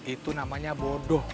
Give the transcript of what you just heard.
itu namanya bodoh